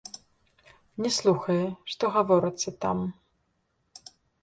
Не слухае, што гаворыцца там.